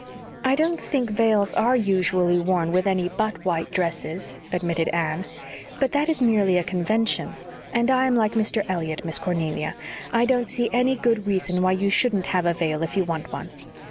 "I don't think veils are usually worn with any but white dresses," admitted Anne, "but that is merely a convention; and I am like Mr. Elliott, Miss Cornelia. I don't see any good reason why you shouldn't have a veil if you want one."